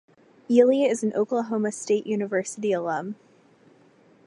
Ealey is an Oklahoma State University alum.